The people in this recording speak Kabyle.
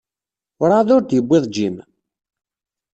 Werɛad ur d-yuwiḍ Jim?